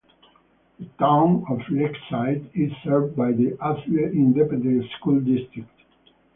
The Town of Lakeside is served by the Azle Independent School District.